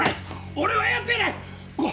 俺はやってない！